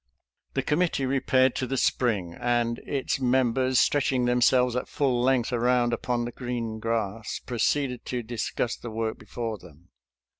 The committee repaired to the spring, and its mem bers, stretching themselves at full length around upon the green grass, proceeded to discuss the work before them.